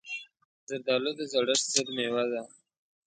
زردالو د زړښت ضد مېوه ده.